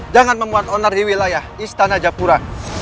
jangan memuat onar di wilayah istana japura